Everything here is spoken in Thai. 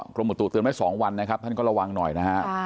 กรมอุตุเตือนไว้๒วันนะครับท่านก็ระวังหน่อยนะฮะ